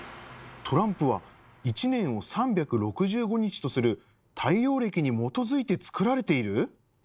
「トランプは１年を３６５日とする太陽暦に基づいて作られている」